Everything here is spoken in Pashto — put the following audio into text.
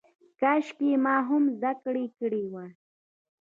کاشکې ما هم زده کړه کړې وای.